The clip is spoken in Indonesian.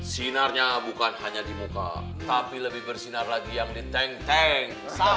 sinarnya bukan hanya di muka tapi lebih bersinar lagi yang di tank tank